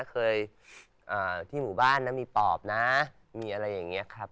เคยที่หมู่บ้านนะมีปอบนะมีอะไรอย่างนี้ครับ